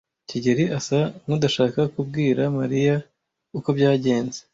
kigeli asa nkudashaka kubwira Mariya uko byagenze.